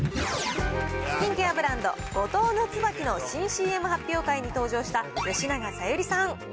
スキンケアブランド、五島の椿の新ＣＭ発表会に登場した、吉永小百合さん。